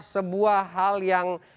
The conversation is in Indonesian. sebuah hal yang